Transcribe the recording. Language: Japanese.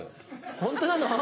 ホントなの？